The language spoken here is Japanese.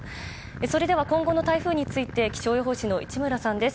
それでは今後の台風について気象予報士の市村さんです。